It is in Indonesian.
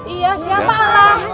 iya siapa allah